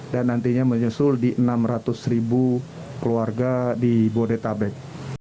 dan nantinya menyusul di enam ratus ribu keluarga di bodetabek